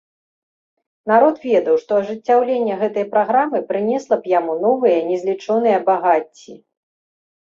Народ ведаў, што ажыццяўленне гэтай праграмы прынесла б яму новыя незлічоныя багацці.